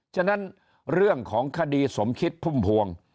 ฉะนั้นเรื่องของคดีสมคิดพุ่มพวง